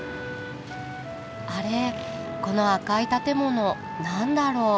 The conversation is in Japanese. あれこの赤い建物何だろう？